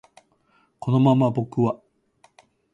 このまま僕は